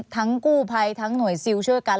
กู้ภัยทั้งหน่วยซิลช่วยกัน